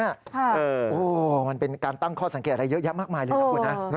โอ้โหมันเป็นการตั้งข้อสังเกตอะไรเยอะแยะมากมายเลยนะคุณฮะ